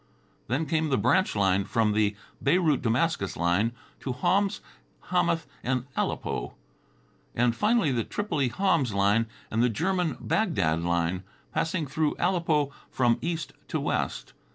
Then came the branch line, from the Beirut Damascus line, to Homs, Hamath and Aleppo, and finally the Tripoli Homs line and the German Bagdad line, passing through Aleppo from east to west.